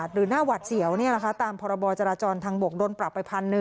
หรือหน้าหวัดเสียวเนี่ยนะคะตามพจรจรทางบกโดนปรับไป๑๐๐๐